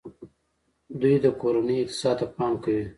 دوی د کورنۍ اقتصاد ته پام کوي.